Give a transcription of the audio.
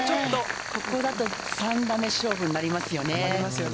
ここだと３打目勝負になりますよね。